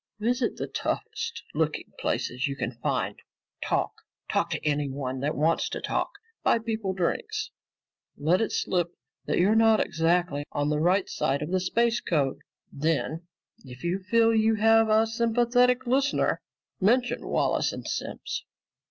Visit the toughest looking places you can find. Talk, talk to anyone that wants to talk. Buy people drinks. Let it slip that you're not exactly on the right side of the space code. Then, if you feel you have a sympathetic listener, mention Wallace and Simms.